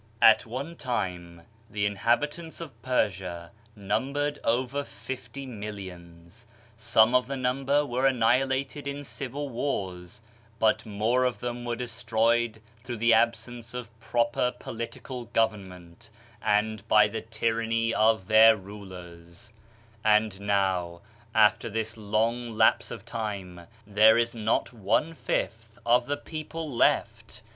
At one time the inhabitants of Persia numbered over fifty millions. Some of this number were annihilated in civil wars, but more of them were destroyed through the absence of proper political government, and by the tyranny of their rulers; and now after this long lapse of time, there is not one fifth of the people left.